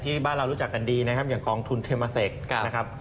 ที่บ้านเรารู้จักกันดีนะครับอย่างกองทุนเทมเมอร์เซ็กซ์นะครับ